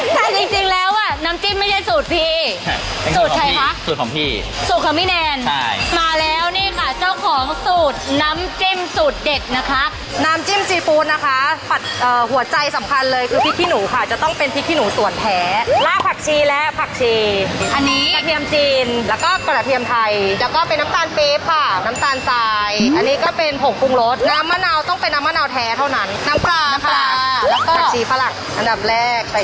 ค่ะมี่แนนใช่มาแล้วนี่ค่ะเจ้าของสูตรน้ำจิ้มสูตรเด็ดนะคะน้ำจิ้มจีปูนนะคะหัวใจสำคัญเลยคือพริกขี้หนูค่ะจะต้องเป็นพริกขี้หนูส่วนแท้ล่าผักชีและผักชีอันนี้กระเทียมจีนแล้วก็กระเทียมไทยแล้วก็เป็นน้ำตาลเป๊บค่ะน้ำตาลซายอันนี้ก็เป็นผงปรุงรสน้ำมะนาวต้องเป็นน้ำมะ